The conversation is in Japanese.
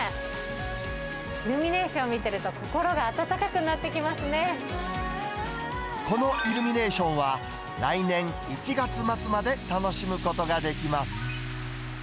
イルミネーション見てると、このイルミネーションは、来年１月末まで楽しむことができます。